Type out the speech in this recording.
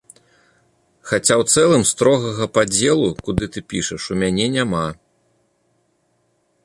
Хаця ў цэлым строгага падзелу, куды ты пішаш, у мяне няма.